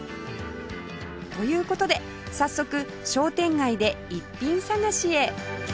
という事で早速商店街で逸品探しへ